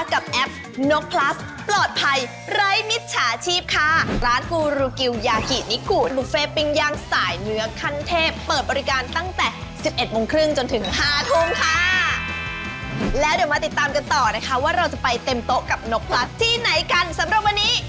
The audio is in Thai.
เดี๋ยวมาติดตามกันต่อนะคะว่าเราจะไปเต็มโต๊ะกับนกพลัสที่ไหนกันสำหรับวันนี้